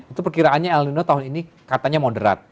itu perkiraannya el nino tahun ini katanya moderat